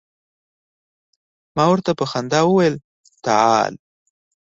ما ورته په خندا وویل تعال.